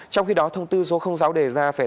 trong khi đó thông tin được đăng tải trên báo tời trẻ